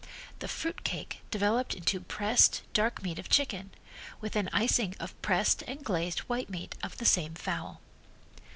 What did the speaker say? The "fruitcake" developed into pressed dark meat of chicken, with an icing of pressed and glazed white meat of the same fowl.